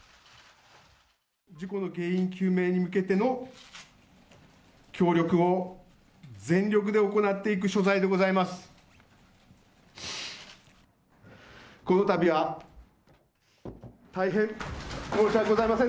事故の原因究明に向けての協力を全力で行っていく所在でございます。